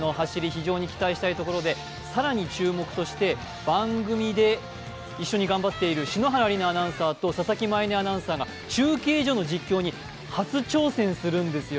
非常に期待したいところで更に注目として番組で一緒に頑張っている篠原梨菜アナウンサーと佐々木舞音アナウンサーが中継所の実況に初挑戦するんです。